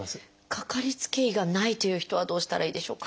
かかりつけ医がないという人はどうしたらいいでしょうか？